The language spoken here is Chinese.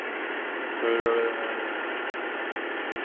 洪武七年七月十八日生第十九皇子谷王朱橞。